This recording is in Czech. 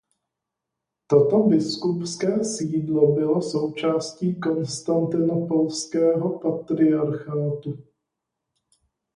Toto biskupské sídlo bylo součástí Konstantinopolského patriarchátu.